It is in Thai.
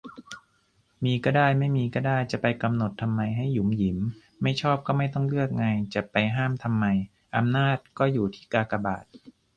มีก็ได้ ไม่มีก็ได้ จะไปกำหนดทำไมให้หยุมหยิม ไม่ชอบก็ไม่ต้องเลือกไง จะไปห้ามทำไม อำนาจก็อยู่ที่กากบาท